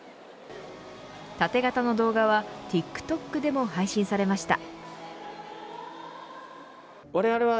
縦型の動画はＴｉｋＴｏｋでも配信されました。